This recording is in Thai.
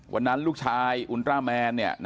วันนั้นลูกชายอุลตราแมน